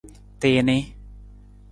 Tii nii.